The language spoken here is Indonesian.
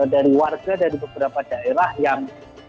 dari warga dari beberapa daerah yang